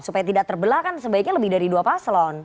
supaya tidak terbelah kan sebaiknya lebih dari dua paslon